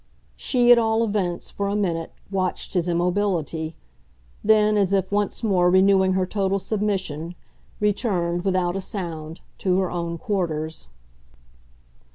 She at all events, for a minute, watched his immobility then, as if once more renewing her total submission, returned, without a sound, to her own quarters.